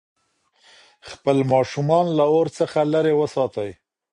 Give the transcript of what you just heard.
خپل ماشومان له اور څخه لرې وساتئ.